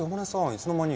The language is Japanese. いつの間に。